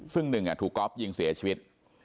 ซึ่งหนึ่งถูกก๊อฟยิงเสียชีวิต